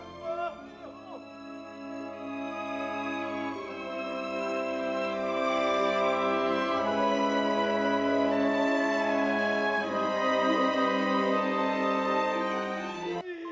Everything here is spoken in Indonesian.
sekarang amat takut berbuat dosa